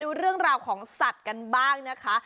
ดูเรื่องราวของสัตว์กันบ้างนะคะ